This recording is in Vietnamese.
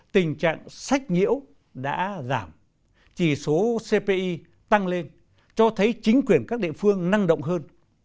tình trạng sách nhiễu đã giảm chỉ số cpi tăng lên cho thấy chính quyền các địa phương năng động hơn